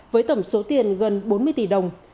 với tổng số tiền gần bốn mươi tỷ đồng